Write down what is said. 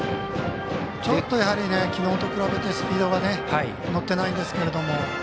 ちょっと、きのうと比べてスピードが乗っていないんですけど。